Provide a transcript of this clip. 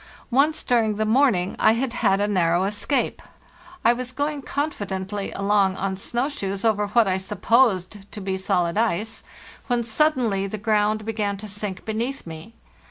Once during the morning I had had a narrow escape. I was going confidently along on snow shoes over what I supposed to be solid ice when suddenly the ground began to sink beneath me.